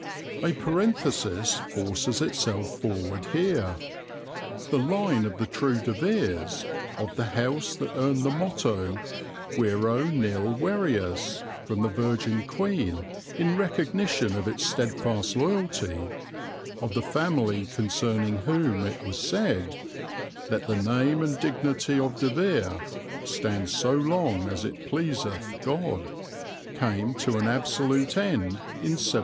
A parenthesis forces itself forward here. The line of the true De Veres, of the house that earned the motto, Vero nil Verius, from the Virgin Queen in recognition of its steadfast loyalty, of the family concerning whom it was said, "Let the name and dignity of De Vere stand so long as it pleaseth God," came to an absolute end in 1703.